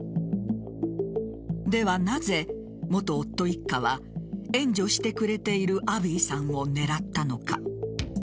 では、なぜ元夫一家は援助してくれているアビーさんを狙ったのか。